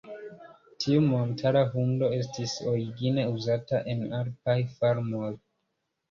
Tiu montara hundo estis origine uzata en alpaj farmoj.